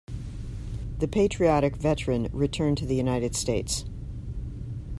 The patriotic veteran returned to the United States.